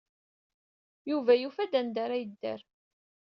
Yuba yufa-d anda ara yedder.